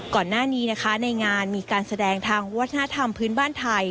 ก่อนหน้านี้นะคะในงานมีการแสดงทางวัฒนธรรมพื้นบ้านไทย